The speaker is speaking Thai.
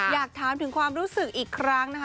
อยากถามถึงความรู้สึกอีกครั้งนะคะ